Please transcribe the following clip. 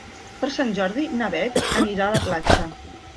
Per Sant Jordi na Bet anirà a la platja.